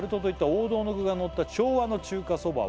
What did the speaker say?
「王道の具がのった昭和の中華そばは」